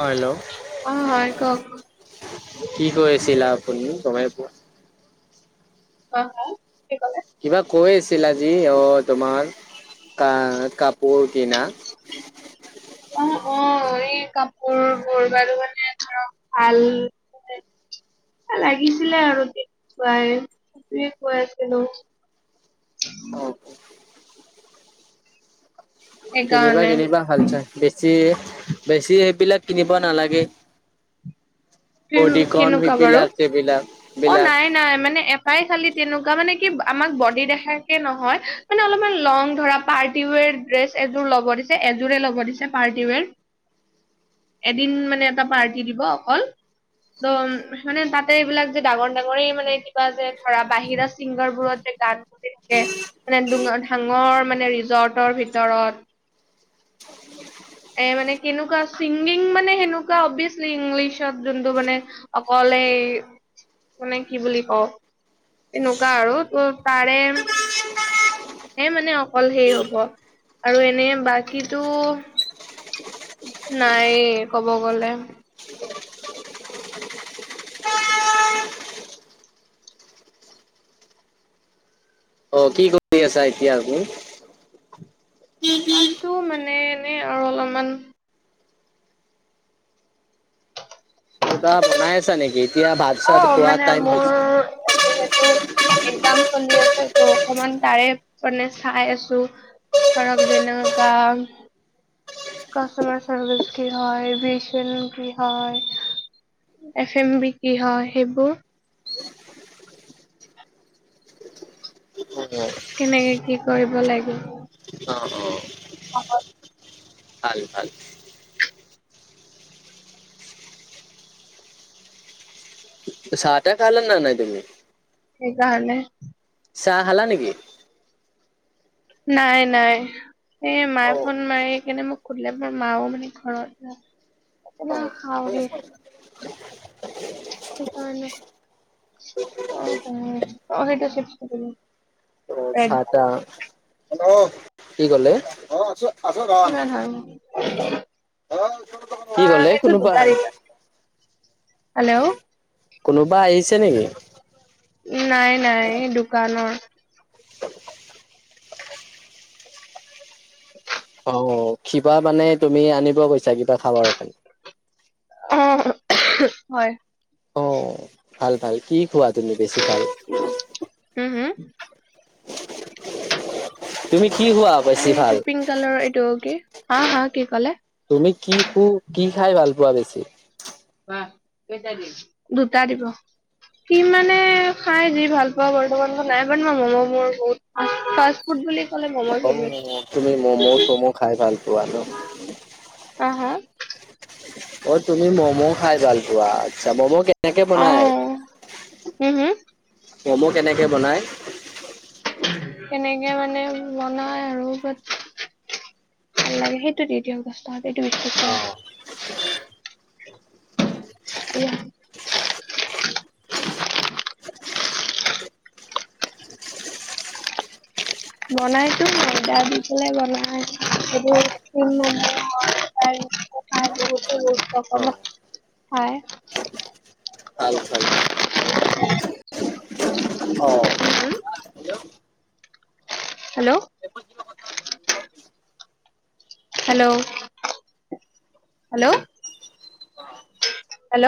অ hello অ হয় কওক কি কৈ আছিলা আপুনি তমাই পোৱা অ ক কিবা কৈ আছিল আজি অ তোমাৰ ক কাপোৰ কিনা অ অ এই কাপোৰবোৰ বাৰু মানে ধৰক ভাল লাগিছিলে আৰু দে খুৱাই সটোৱে কৈ আছিলো অ কিনিবা সেইকাৰণে কিনিবা ভাল চাই বেছি বেছি সেইবিলাক কিনিব নালাগে বডিকন কেনেকুৱা বাৰু সেইবিলাক সেইবিলাক অ বিলাক নাই নাই মানে তাই খালি তেনেকুৱা মানে কি আমাক বডি দেখাকে নহয় মানে অলপমান লং ধৰা পাৰ্টি ৱেৰ ড্ৰেছ এযোৰ ল'ব দিছে এযোৰে ল'ব দিছে পাৰ্টি ৱেৰ এদিন মানে এটা পাৰ্টি দিব অকল ত' মানে তাতে এইবিলাক যে ডাঙৰ ডাঙৰেই মানে কিবা যে ধৰা বাহিৰা চিংগাৰ বোৰত যে গান [unintelligible] মানে ডাঙৰ মানে ৰিজৰ্টৰ ভিতৰত [unintelligible] এ মানে কেনেকুৱা ছিংগিং মানে সেনেকুৱা অভিয়াচলি ইংলিছত যোনটো মানে অকলে মানে কি বুলি কওঁ এনেকুৱা আৰু ত তাৰে হে মানে অকল সেই হব আৰু এনেই বাকীটো নাইয়ে কব গলে অ কি কৰি আছা এতিয়া [unintelligible] আছো মানে এনে আৰু অলপমান কিবা বনাই আছা নেকি এতিয়া ভাত অ চাত খোৱা মানে টাইম হৈছে মোৰ [unintelligible] একজাম চলি আছে ত অকমান তাৰে মানে চাই আছো থাৰক যেনে কাম কষ্টমাৰ চাৰভিচ কি হয় এ বি এচন কি হয় এফ এম বি কি হয় সেইবোৰ। অ অ কেনেকৈ কি কৰিব লাগিল। অ', অ'। [unintelligible] ভাল, ভাল। চাহটো খাল না নাই তুমি? সেই কাৰণে চাহ খালা নেকি? নাই, নাই। এ অ মায়ে ফোন মাৰি কিনে মোক সুধিলে মোৰ মাও মানে ঘৰত অ কৰবাত খাওঁ গে। সেইকাৰণে। [unintelligible] আটা, অ'। কি ক'লে অ', আছোঁ আছোঁ ৰ'। কিমান হয় অ কি ক'লে সেইটো কোনোবা দুটা ৰিজন হেল্ল'। কোনোবা আহিছে নেকি? নাই, নাই, দোকানত। অ', কিবা মানে তুমি আনিব গৈছা কিবা খাবৰ কাৰণে। অ', হয়। অ ভাল, ভাল, কি খোৱা তুমি বেছি ভাল? হম, হম। [inaudible] তুমি কি হোৱা বেছি ভাল? কালৰ এইটো কি হা হা কি ক'লে? তুমি কি খু কি খাই ভাল পোৱা বেছি? কেই তাৰিখ, দুটা দিব। কি মানে খাই যি ভাল পাওঁ বৰ্তমান নাই বাৰু ম'ম' মোৰ বহুত ফাষ্ট ফুড বুলি ক'লে ম'ম ফেভৰেট অ', তুমি ম'ম' চম' খাই ভাল পোৱা ন'। হা হা অ', তুমি ম'ম' খাই ভাল পোৱা আচ্ছা ম'ম' কে কেনেকে অ বনাই, হুম হুম ম'ম' কেনেকে বনায়? কেনেকে মানে বনাই আৰু বাট ভাল লাগে সেইটো দি দিয়ক। দশ টকাত অ [unintelligible] বনাইছো ময়ডা দি পেলাই বনাই অ [unintelligible] [unintelligible] ভাল ভাল। অ উম। Hello. Hello, hello. Hello.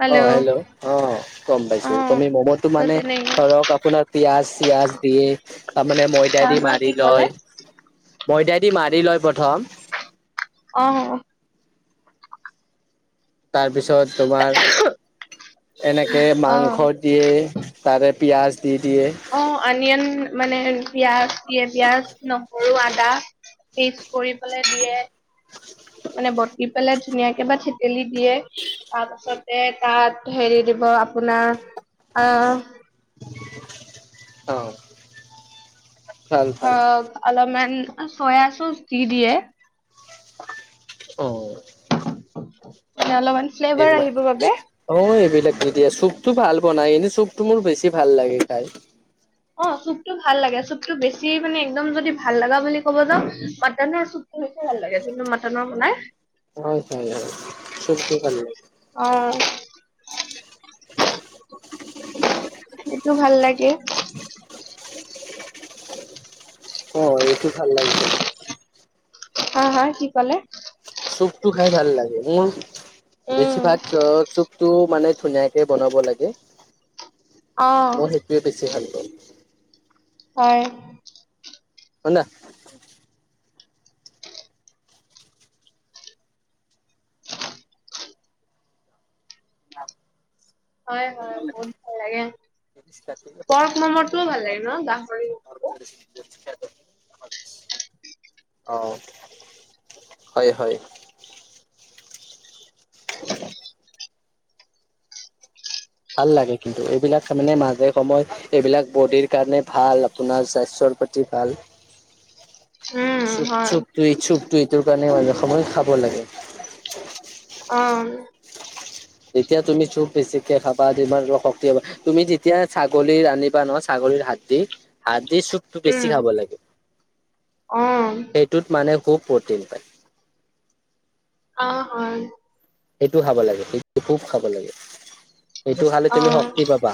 Hello. অ'। গম অ পাইছো তুমি ম'মটো ত মানে তেনেকে ধৰক আপোনাৰ পিয়াজ চিয়াজ দিয়ে তাৰমানে ময়দা হা দি হা মাৰি কি কলে লয় ময়দা দি মাৰি লয় প্ৰথম অ' তাৰপিছত তোমাৰ এনেকে অ মাংস দিয়ে তাৰে পিয়াঁজ দি দিয়ে অ অনিয়ন মানে পিয়াঁজ দিয়ে পিয়াঁজ নহৰু আদা পিচ কৰিপেলাই দিয়ে মানে বটি পেলাই ধুনীয়াকে বা থেতেলি দিয়ে তাৰপাছতে তাত হেৰি দিব আপোনাৰ আ অ' ভাল ভাল অ' অলপমান চয়া চচ দি দিয়ে অ' [inaudible] এইবিলাক আহিবৰ বাবে অ এইবিলাক দি দিয়ে চুপটো ভাল বনায় এনেই চুপটো মোৰ বেছি ভাল লাগে খাই অ চুপটো ভাল লাগে চুপটো বেছি মানে একদম যদি ভাল লগা বুলি কব যাওঁ মাটনৰ চুপ বেছি ভাল লাগে জোনটো মাটনৰ বনায় বহুত ভাল লাগে চুপটো ভাল লাগে অ' সেইটো ভাল লাগে অ এইটো ভাল লাগে কিন্তু হয় হয় কি ক'লে চুপটো খাই ভাল লাগে মোৰ বেছি উম ভাগ চ চুপটো মানে ধুনীয়া কে বনাব লাগে অ মই সেইটোৱে বেছি ভাল পাওঁ অ' শুনা [inaudible] হয় হয় বহুত ভাল লাগে পৰ্ক মম'টোও ভাল লাগে ন গাহৰি মম'টো? [inaudible] অ হয় হয় ভাল লাগে কিন্তু এইবিলাক তাৰ মানে মাজে সময়ে এইবিলাক বডিৰ কাৰণে ভাল আপোনাৰ স্বাস্থ্যৰ প্ৰতি তি ভাল [inaudible] চু হয় চুপ চুপটো এইটোকাৰনে মাজে সময়ে খাব লাগে অ যেতিয়া তুমি চোপ বেছিকে খাবা তোমাৰ অলপ শক্তি হব তুমি যেতিয়া ছাগলী আনিবা নহয় ছাগলীৰ হাৰ্ডি, হাৰ্ডিৰ চুপ উম অ' সেইটোত মানে খুব প্ৰটিন পায় অ হয় সেইটো খাব লাগে সেইটো খুব খাব লাগে সেইটো খালে তুমি অ' শক্তি পাবা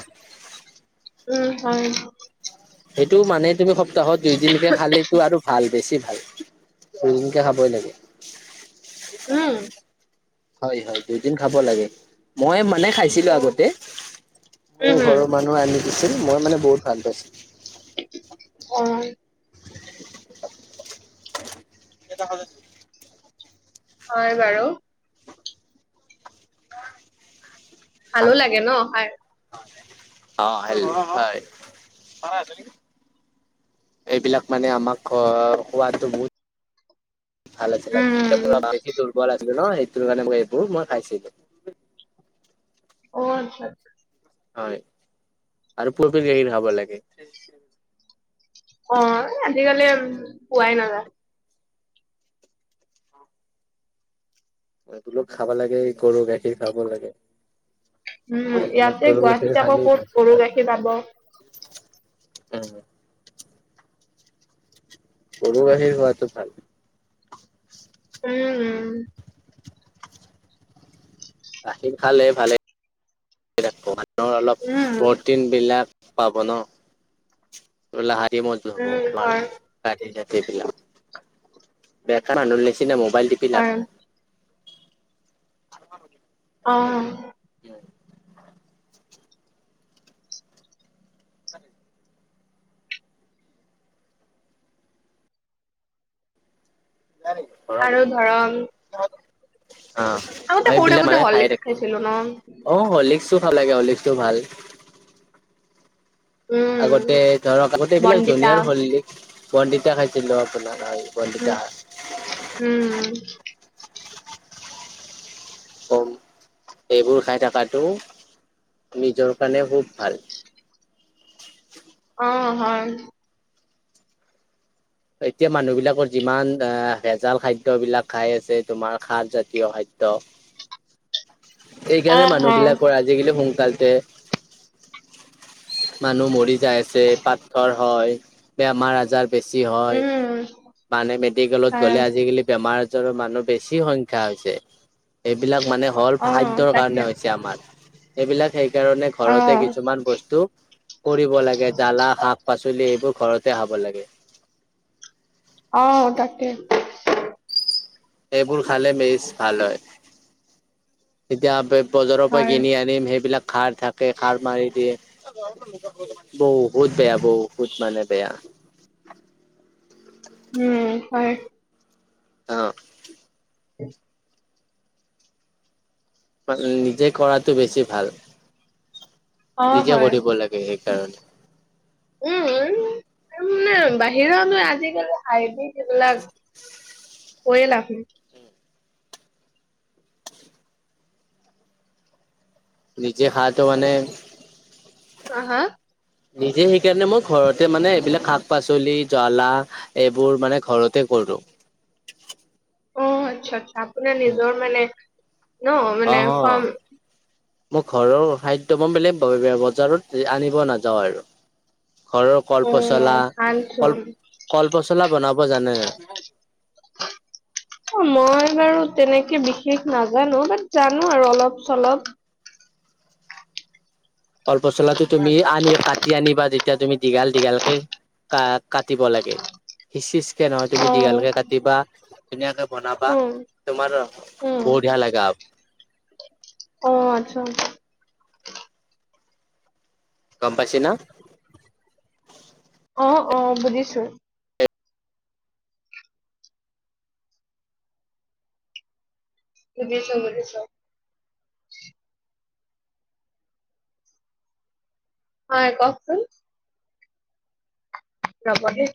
উম হয় সেইটো মানে তুমি সপ্তাহত দুইদিনকে খালেতো আৰু ভাল বেছি ভাল দুইদিনকে খাবই লাগে উম, হয়, হয়, দুইদিন খাব লাগে, মই মানে খাইছিলো উম আগতে, উম, মোৰ ঘৰৰ হুম, মানুহ আনি দিছিল, মই মানে বহুত ভাল পাইছো। [inaudible] [inaudible] হয় বাৰু। ভালো লাগে, খাই। অ, হে হয়। এইবিলাক মানে, আমাক সোৱাদটো বহুত। ভাল আছিলে, মোৰ উম, বেছি দুৰ্বল আছিলে ন, সেইটোৰ কাৰণে মই এইবোৰ, মই খাইছিলো। অ, আচ্ছা। হয় আৰু পৰিবেশহিন খাব লাগে। অ, আজিকালি পোৱাই নাযায়। বোলো খাব লাগে, গৰু গাখীৰ খাব লাগে। উম, ইয়াতে গৰু, গাখীৰ গুৱাহাটীত আকৌ খালী ক'ত বেছি গৰু ভাল। গাখীৰ পাব। উম, গৰু গাখীৰ খোৱাটো ভাল। উম, গাখীৰ খালে ভালে অলপ উম, প্ৰটিন বিলাক, পাব ন। উম, হয়, [unintelligible] বেকাৰ মানুহ নিচিনা, মোবাইল টিপি লাভ হয়। নাই। অ, [inaudible] আৰু ধৰা অ, আগতে সৰু, সেইবিলাক থাকোতে মানে খাই হৰলিক্স থাকো। খাইছিলো ন। অ, হলিক্সো ভাল লাগে, হলিক্সটো ভাল। আগতে উম, ধৰক আগতে, এইবিলাক বনবিতা জুনিয়াৰ হৰলিক্স বনবিতা খাইছিলোঁ, আপোনাৰ হয় উম, বিনবিতা উম, সেইবোৰ, খাই থকাতটো নিজৰ কাৰণে খুব ভাল। অ, হয়। এতিয়া মানুহ বিলাকৰ যিমান আ, ভেজাল খাদ্যয় বিলাক খাই আছে, তোমাৰ খাৰ জাতীয় খাদ্য [inaudible] অ' এইকাৰণে মানুহ হয়, বিলাকৰ আজিকালি সোনকালতে মানুহ মৰি যাই আছে, পাতথৰ হয়, বেমাৰ আজাৰ বেছি চি, হয় উম। মানে মেডিকেলত হয়, গ'লে আজিকালি বেমাৰ জৰ, মানুহ বেছি সংখ্যা হৈছে। এইবিলাক মানে হ'ল অ' খাদ্যৰ তাকে, কাৰণে হৈছে আমাৰ। এইবিলাক সেইকাৰণে ঘৰতে অ', কিছুমান বস্তু কৰিব লাগে, জ্বালা শাক-পাচলি এইবোৰ ঘৰতে খাব লাগে। অ, তাকে। এইবোৰ খালে মেজ ভাল হয়, তেতিয়া বজাৰৰ পৰা হয়। কিনি আনিম, সেইবিলাক খাৰ থাকে, খাৰ মাৰি দি বহুত বেয়া, বহুত মানে বেয়া। উম, হয়। অ'। [inaudible] নিজে কৰাটো বেছি ভাল, অ, নিজে হয়। কৰিব লাগে সেইকাৰণে উম, আৰু মানে, বাহিৰলৈ আজিকালি হাইব্ৰীড এইবিলাক কয় লাভ নাই। নিজে সাহটো মানে হা, হা নিজে সেইকাৰণে মই ঘৰতে মানে, এইবিলাক শাক-পাচলি, জ্বলা এইবোৰ মানে, ঘৰতে কৰোঁ অ', আচ্ছা, আচ্ছা। আপোনাৰ নিজৰ মানে ন মানে ফাৰ্ম অ'। মোৰ ঘৰৰ খাদ্য, মই বেলেগ বজাৰত আনিব নাযাওঁ আৰু ঘৰৰ অ, কলপচলা, ভালচোন। কল, কলপচলা বনাব জানে নে? [inaudible] অ', মই বাৰু তেনেকে বিশেষ নাজানো, বাট জানো আৰু অলপ-চলপ কলপচলাটো তুমি আনি, কাটি আনিবা, তেতিয়া তুমি দীঘল-দীঘলকে কা-কাটিব লাগে সিচ-সিচকে নহয়, তুমি অ', দীঘলকে কাটিবা, ধুনীয়াকে বনাবা, উম। তোমাৰ উম। বঢ়িয়া লাগা অ', আচ্ছা। গম পাইছে না? অ', অ', বুজিছোঁ। বুজিছোঁ, বুজিছোঁ। হয়, কওকচোন। ৰ'ব দেই